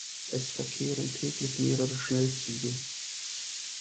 Es verkehren täglich mehrere Schnellzüge.